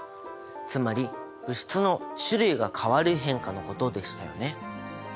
つまり物質の種類が変わる変化のことでしたよね。